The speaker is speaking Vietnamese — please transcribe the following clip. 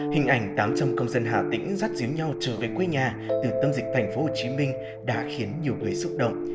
hình ảnh tám trầm công dân hà tĩnh rắt giếm nhau trở về quê nhà từ tâm dịch thành phố hồ chí minh đã khiến nhiều người xúc động